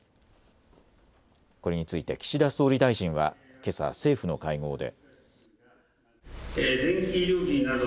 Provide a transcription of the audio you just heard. これについて岸田総理大臣はけさ政府の会合で。